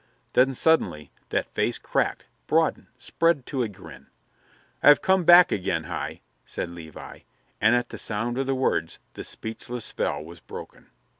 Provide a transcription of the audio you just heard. Then suddenly that face cracked, broadened, spread to a grin. "I have come back again, Hi," said Levi, and at the sound of the words the speechless spell was broken.